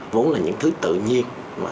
vốn là những thứ tự nhiên